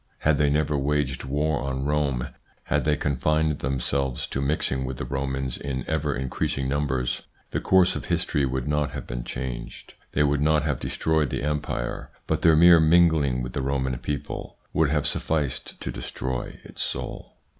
Had they never waged war on Rome, had they confined themselves to mixing with the Romans in ever increasing numbers, the course of history would not have been changed ; they would not have destroyed the Empire, but their mere mingling with the Roman people would have sufficed to destroy its soul.